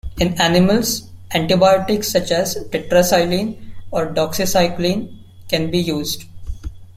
In animals, antibiotics such as tetracyline or doxycycline can be used.